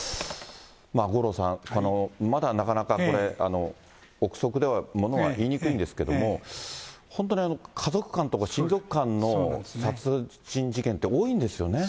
五郎さん、まだなかなかこれ、臆測では物が言いにくいんですけれども、本当に家族間とか親族間の殺人事件って多いんですよね。